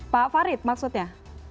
pak farid maksudnya